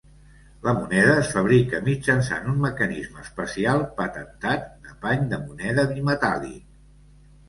La moneda es fabrica mitjançant un mecanisme especial patentat de pany de moneda bimetàl·lic.